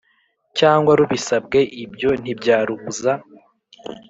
cyangwa rubisabwe ibyo ntibyarubuza